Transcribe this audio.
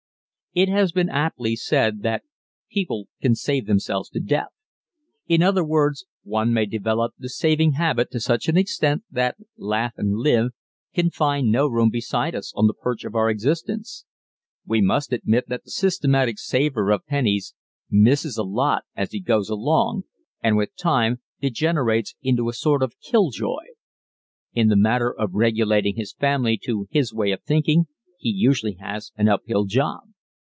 It has been aptly said that "People can save themselves to death." In other words, one may develop the saving habit to such an extent that "Laugh and Live" can find no room beside us on the perch of our existence. We must admit that the systematic saver of pennies misses a lot as he goes along, and, with time, degenerates into a sort of "Kill Joy." In the matter of regulating his family to his way of thinking he usually has an uphill job.